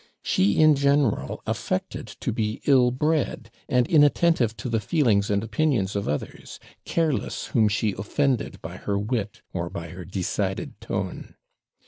She in general affected to be ill bred, and inattentive to the feelings and opinions of others; careless whom she offended by her wit or by her decided tone.